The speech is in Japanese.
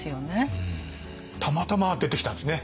たまたま出てきたんですね